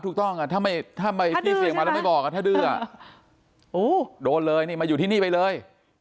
ถูกต้องถ้าที่เสี่ยงมาแล้วไม่บอกถ้าดื้อโดนเลยนี่มาอยู่ที่นี่ไปเลย